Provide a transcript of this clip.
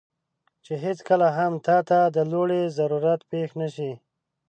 چې هیڅکله هم تاته د لوړې ضرورت پېښ نه شي،